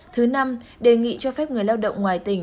thứ năm đề nghị cho phép người lao động ngoài tỉnh